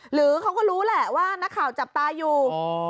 หรือเขาก็รู้แหละว่านักข่าวจับตาอยู่